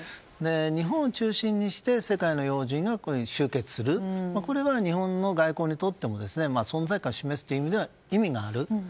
日本を中心にして世界の要人が集結するこれは日本の外交にとっても存在感を示すという意味がある。